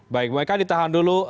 baik mereka ditahan dulu